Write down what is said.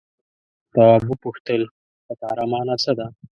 تواب وپوښتل تتارا مانا څه ده.